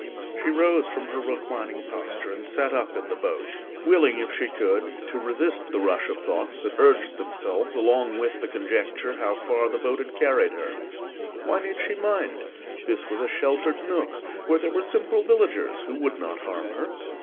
She rose from her reclining posture and sat up in the boat, willing, if she could, to resist the rush of thoughts that urged themselves along with the conjecture how far the boat had carried her. Why need she mind? This was a sheltered nook where there were simple villagers who would not harm her.